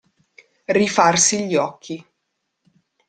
Rifarsi gli occhi.